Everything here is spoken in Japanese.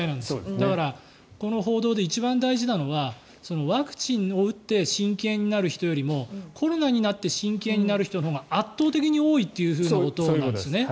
だから、この報道で一番大事なのはワクチンを打って心筋炎になる人よりもコロナになって心筋炎になる人のほうが圧倒的に多いということなんですね。